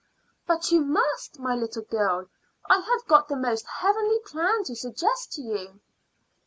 "But you must, my little girl. I have got the most heavenly plan to suggest to you."